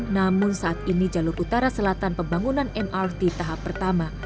namun saat ini jalur utara selatan pembangunan mrt tahap pertama